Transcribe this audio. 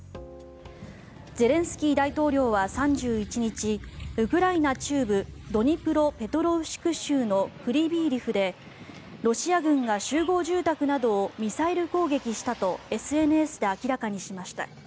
ゼレンスキー大統領は３１日ウクライナ中部ドニプロペトロウシク州のクリビー・リフでロシア軍が集合住宅などをミサイル攻撃したとＳＮＳで明らかにしました。